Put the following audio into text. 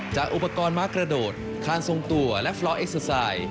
จากอุปกรณ์ม้ากระโดดคานทรงตัวและฟลอร์กเอ็กซอสไซค์